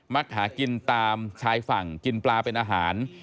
หากินตามชายฝั่งกินปลาเป็นอาหาร